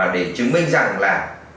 để chứng minh rằng là